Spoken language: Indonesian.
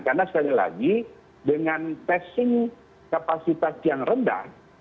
karena sekali lagi dengan testing kapasitas yang rendah